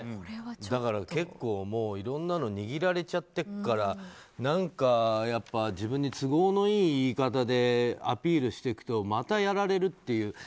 結構、いろんなのを握られちゃってるから自分に都合のいい言い方でアピールしていくとまたやられるっていう。